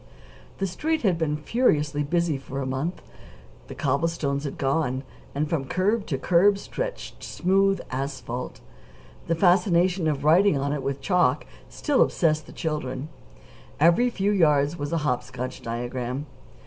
The Street had been furiously busy for a month. The cobblestones had gone, and from curb to curb stretched smooth asphalt. The fascination of writing on it with chalk still obsessed the children. Every few yards was a hop scotch diagram.